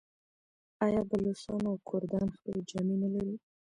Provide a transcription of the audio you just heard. آیا بلوڅان او کردان خپلې جامې نلري؟